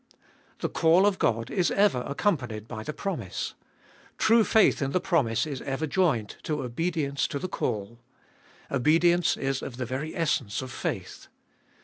The call of God is ever accompanied by the promise ; true faith in the promise is ever joined to obedience to the call. Obedience is of the very essence of faith.